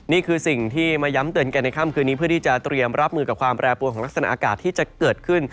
นี่คือสิ่งที่มาย้ำเตือนกันในค่ำคืนนี้เพื่อที่จะเตรียมรับมือกับความแปรปวนของลักษณะอากาศที่จะเกิดขึ้น